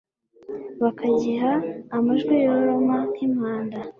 bakagiha amajwi yoroma nk'impanda.